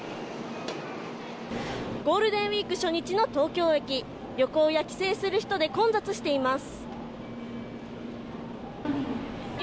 ゴールデンウィーク初日の東京駅旅行や帰省する人で混雑しています。